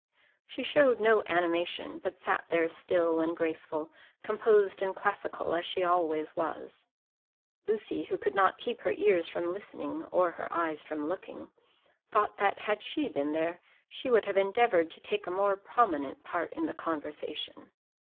She showed no animation, but sat there still and graceful, composed and classical, as she always was. Lucy, who could not keep her ears from listening or her eyes from looking, thought that had she been there she would have endeavoured to take a more prominent part in the conversation.